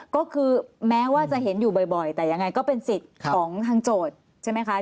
ก็คือแม้ว่าจะเห็นอยู่บ่อยแต่ยังไงก็เป็นสิทธิ์ของทางโจทย์ใช่ไหมคะ